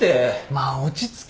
まあ落ち着けって。